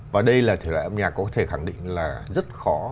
và đây là thể loại âm nhạc có thể khẳng định là rất khó